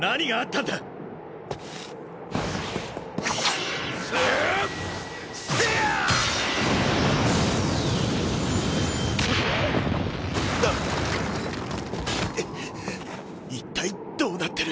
んっ一体どうなってる？